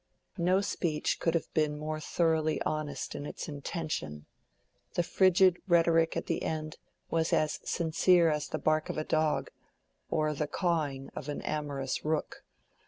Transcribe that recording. No speech could have been more thoroughly honest in its intention: the frigid rhetoric at the end was as sincere as the bark of a dog, or the cawing of an amorous rook.